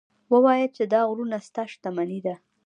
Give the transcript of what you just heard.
ووایه چې دا غرونه ستا شتمني ده.